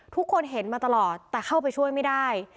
ทุกคนเห็นมาตลอดแต่เข้าไปช่วยไม่ได้